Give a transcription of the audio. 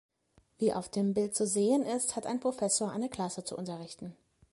Wie auf dem Bild zu sehen ist, hat ein Professor eine Klasse zu unterrichten.